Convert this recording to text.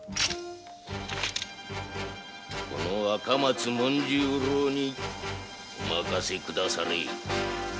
この赤松文十郎にお任せ下さい。